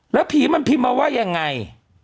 แล้วผีมันพิมพ์มาว่ายังไง